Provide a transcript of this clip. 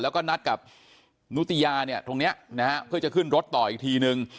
แล้วก็นัดกับนุติยาเนี่ยตรงนี้นะฮะเพื่อจะขึ้นรถต่ออีกทีนึง